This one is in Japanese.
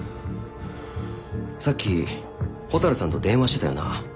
さっき蛍さんと電話してたよな？